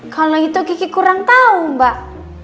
kalau gitu kiki kurang tau mbak